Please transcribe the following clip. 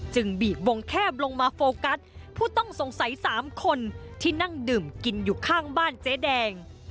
บีบวงแคบลงมาโฟกัสผู้ต้องสงสัย๓คนที่นั่งดื่มกินอยู่ข้างบ้านเจ๊แดง